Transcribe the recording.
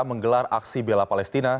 menggelar aksi bela palestina